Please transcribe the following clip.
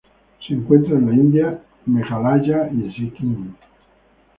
Se encuentra en la India: Meghalaya y Sikkim.